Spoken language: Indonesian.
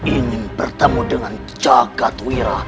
ingin bertemu dengan jagadwira